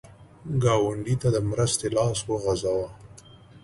ګاونډي ته د مرستې لاس وغځوه